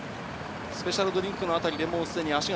スペシャルドリンクの辺りで、もうすでに足が。